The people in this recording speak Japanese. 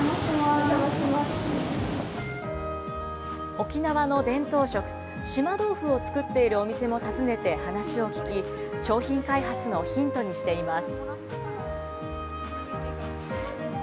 沖縄の伝統食、島豆腐を作っているお店を訪ねて、話を聞き、商品開発のヒントにしています。